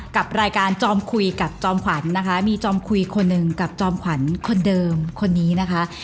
กับรายการจอมคุยกับจอมขวัญนะคะมีจอมคุยคนหนึ่งกับจอมขวัญคนเดิมคนนี้นะคะ